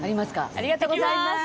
ありがとうございます！